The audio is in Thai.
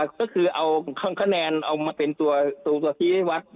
ก็คือเอาขนาดเอามาเป็นตัวชีวัตร